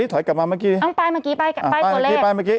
ไปเมื่อกี้ไปตัวเลข